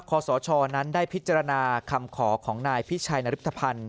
คอสชนั้นได้พิจารณาคำขอของนายพิชัยนฤทธพันธ์